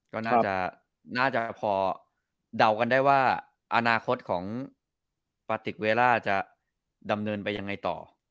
ก็น่าจะพอเดากันได้ว่าอนาคตของปาติกเวล่าจะดำเนินไปยังไงต่อ